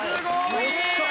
よっしゃー！